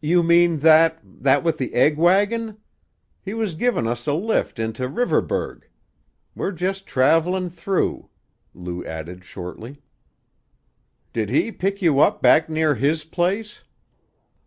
"You mean that that with the egg wagon? He was givin' us a lift into Riverburgh; we're just traveling through," Lou added shortly. "Did he pick you up back near his place?"